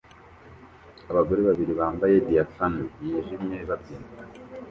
Abagore babiri bambaye diaphanous yijimye babyina